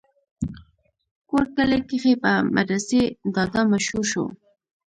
کور کلي کښې پۀ مدرسې دادا مشهور شو